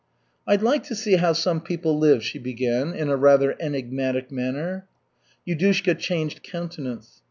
"I'd like to see how some people live," she began in a rather enigmatic manner. Yudushka changed countenance.